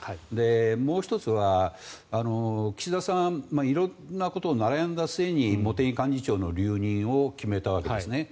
もう１つは岸田さん色んなことを悩んだ末に茂木幹事長の留任を決めたわけですね。